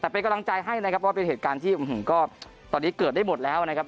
แต่เป็นกำลังใจให้นะครับว่าเป็นเหตุการณ์ที่ก็ตอนนี้เกิดได้หมดแล้วนะครับ